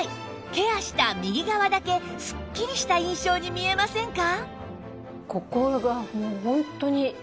ケアした右側だけスッキリした印象に見えませんか？